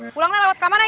pulang lah lewat kamar aja